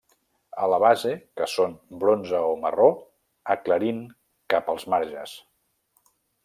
A la base que són bronze o marró, aclarint cap als marges.